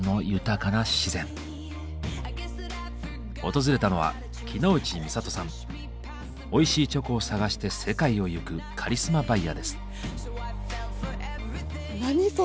訪れたのはおいしいチョコを探して世界を行くカリスマバイヤーです。